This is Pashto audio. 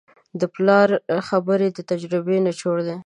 د پلار خبرې د تجربې نچوړ دی.